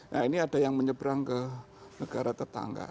nah ini ada yang menyeberang ke negara tetangga